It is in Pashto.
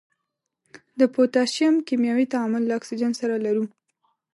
د پوتاشیم کیمیاوي تعامل له اکسیجن سره لرو.